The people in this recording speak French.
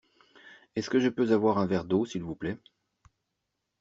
Est-ce que je peux avoir un verre d’eau s’il vous plait ?